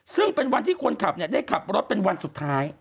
ซึ่งเป็นวันที่คนขับได้ขับรถเป็นวันสุดท้าย